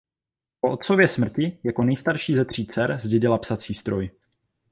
Po otcově smrti jako nejstarší ze tří dcer zdědila psací stroj.